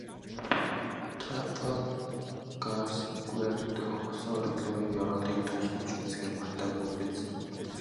Трафальгарсквер дэх усан оргилуурын ёроолыг төнхөж үзэхээ мартаагүй биз?